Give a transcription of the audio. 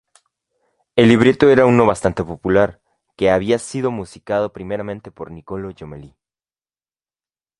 El libreto era uno bastante popular, que había sido musicado primeramente por Niccolò Jommelli.